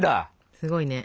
すごいね。